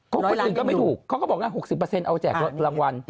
ก็เป็นไปได้ไม่ถูกเขาก็บอกว่า๖๐เอาแจกรางวัล